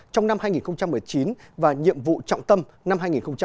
trong năm hai nghìn một mươi chín và nhiệm vụ trọng tâm năm hai nghìn hai mươi